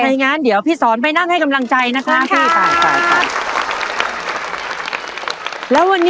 ยังงั้นเดี๋ยวพี่สอนไปนั่งให้กำลังใจนะครับ